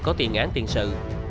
có tuyên án tiền sự